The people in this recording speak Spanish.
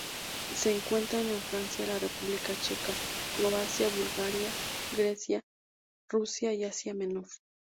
Se encuentra en Francia, la República Checa, Croacia, Bulgaria, Grecia, Rusia y Asia Menor.